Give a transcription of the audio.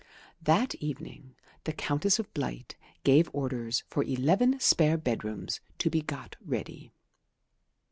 That evening the Countess of Blight gave orders for eleven spare bedrooms to be got ready.